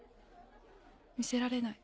見せられない。